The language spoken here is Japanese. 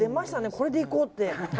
これでいこうって。